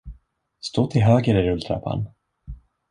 Stå till höger i rulltrappan!